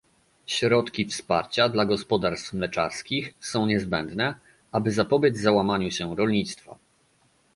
Środki wsparcia dla gospodarstw mleczarskich są niezbędne, aby zapobiec załamaniu się rolnictwa